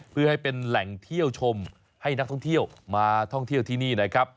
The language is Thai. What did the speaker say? เพื่อให้เป็นแหล่งเที่ยวชมให้นักท่องเที่ยวมาท่องเที่ยวที่นี่นะครับ